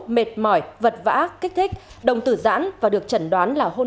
mệt mỏi vật vã kích thích đồng tử giãn và được chẩn đoán là hôn